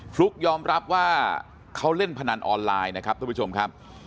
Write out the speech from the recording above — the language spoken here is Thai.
ฟลุ๊กยอมรับว่าเขาเล่นพนันออนไลน์นะครับทุกผู้ชมครับ